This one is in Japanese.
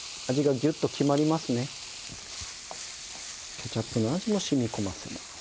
ケチャップの味も染み込ませます。